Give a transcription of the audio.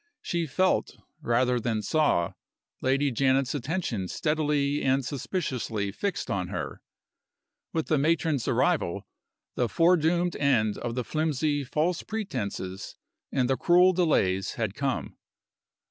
She felt, rather than saw, Lady Janet's attention steadily and suspiciously fixed on her. With the matron's arrival the foredoomed end of the flimsy false pretenses and the cruel delays had come.